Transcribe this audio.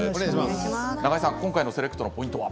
今回のセレクトのポイントは？